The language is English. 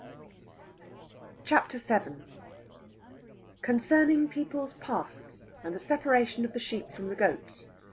CHAPTER VII CONCERNING PEOPLE'S PASTS, AND THE SEPARATION OF THE SHEEP FROM THE GOATS.